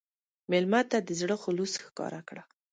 مېلمه ته د زړه خلوص ښکاره کړه.